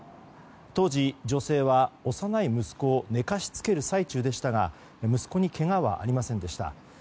当時、女性は幼い息子を寝かしつける最中でしたが息子にけがはありませんでした。